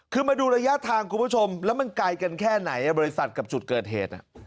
คือมาดูระยะทางคุณผู้ชมแล้วมันไกลกันแค่ไหนบริษัทกับจุดเกิดเหตุ